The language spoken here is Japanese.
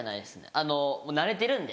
あのもう慣れてるんで。